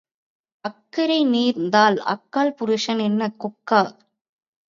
அக்கறை தீர்ந்தால் அக்காள் புருஷன் என்ன கொக்கா?